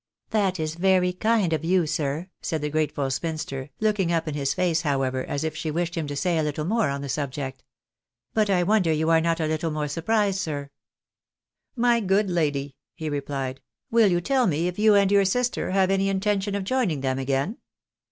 " That is very kind of you." said the grateful spinster ; looking up in his face, however, as if she wished him to say a little more on the subject. " But I wonder you are not a little more surprised, sir." " My good lady," he replied, " will you tell me if you and your sister have any intention of joining them again